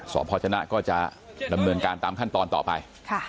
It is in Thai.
พจนะก็จะดำเนินการตามขั้นตอนต่อไป